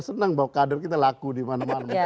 senang bahwa kader kita laku di mana mana